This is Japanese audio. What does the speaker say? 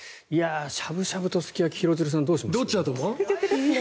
しゃぶしゃぶとすき焼き廣津留さんどっち？